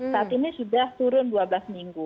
saat ini sudah turun dua belas minggu